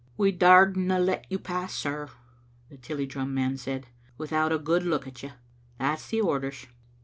" We dauredna let you pass, sir," the Tilliedrum man said, "without a good look at you. That's the orders."